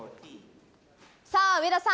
さあ上田さん